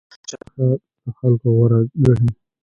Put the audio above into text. مجاهد د الله خوښه له خلکو غوره ګڼي.